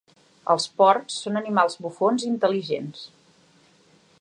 Els porcs són animals bufons i intel·ligents.